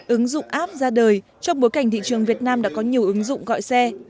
ứng dụng app ra đời trong bối cảnh thị trường việt nam đã có nhiều ứng dụng gọi xe